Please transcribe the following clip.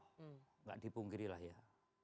enggak dipungkiri lah ya